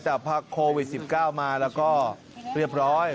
พักโควิด๑๙มาแล้วก็เรียบร้อย